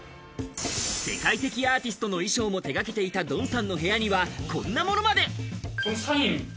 世界的アーティストの衣装も手がけていたドンさんの部屋にはこんなものまで。